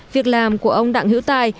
việc làm của ông đặng hữu tài